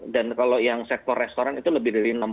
kalau yang sektor restoran itu lebih dari enam puluh